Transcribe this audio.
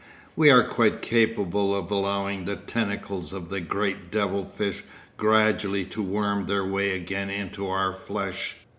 We are quite capable of allowing the tentacles of the great devil fish gradually to worm their way again into our flesh.